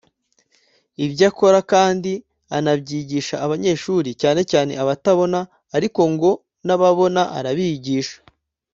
Ibyo akora kandi anabyigisha abanyeshuri cyane cyane abatabona ariko ngo n’ababona arabigisha